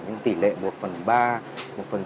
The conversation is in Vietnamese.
những tỷ lệ một phần ba một phần sáu